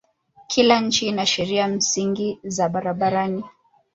Kila nchi ina sheria msingi za barabarani.